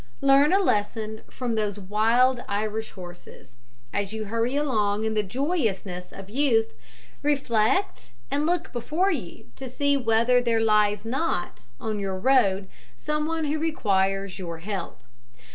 Learn a lesson from those wild Irish horses. As you hurry along in the joyousness of youth, reflect and look before you to see whether there lies not on your road some one who requires your help.